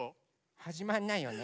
はじまんないよね。